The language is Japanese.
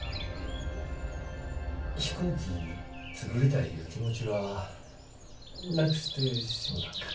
飛行機作りたいいう気持ちはなくしてしもたんか？